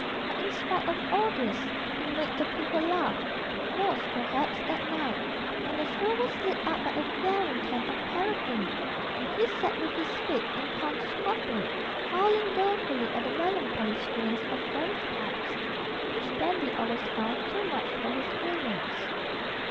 But in spite of all this, he made the people laugh; most, perhaps, at night, when the show was lit up by a flaring can of paraffin, and he sat with his feet in Punch's coffin, howling dolefully at the melancholy strains of Jem's pipes, which Dandy always found too much for his feelings.